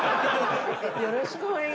よろしくお願いします。